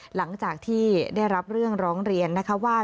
หลังจากที่ได้รับเรื่องร้องเรียนนะคะว่า